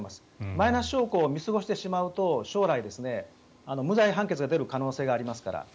マイナス証拠を見過ごしてしまうと将来、無罪判決が出る可能性がありますから。